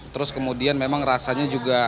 terus kemudian memang rasanya juga